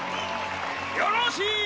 よろしい！